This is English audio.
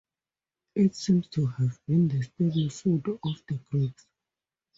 It seems to have been the staple food of the Greeks.